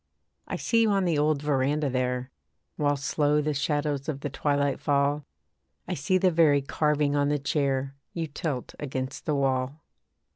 I see you on the old verandah there, While slow the shadows of the twilight fall, I see the very carving on the chair You tilt against the wall.